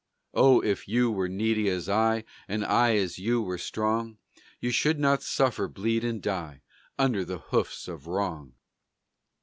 Oh, if you were needy as I, And I as you were strong, You should not suffer, bleed, and die, Under the hoofs of wrong!